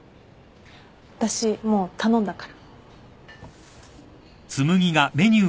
私もう頼んだから。